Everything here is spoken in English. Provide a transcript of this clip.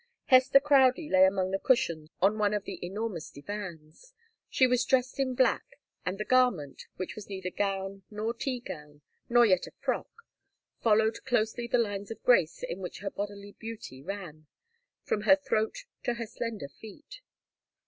Hester Crowdie lay among the cushions on one of the enormous divans. She was dressed in black, and the garment which was neither gown nor tea gown, nor yet a frock followed closely the lines of grace in which her bodily beauty ran, from her throat to her slender feet.